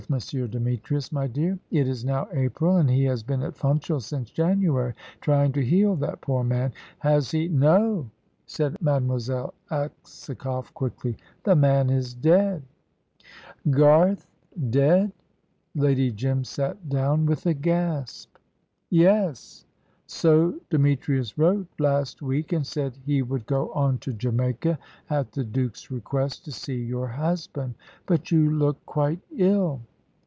Demetrius, my dear. It is now April, and he has been at Funchal since January, trying to heal that poor man. Has he ?" "No," said Mademoiselle Aksakoff, quickly. "The man is dead." "Garth dead?" Lady Jim sat down, with a gasp. "Yes; so Demetrius wrote last week, and said he would go on to Jamaica at the Duke's request to see your husband. But you look quite ill."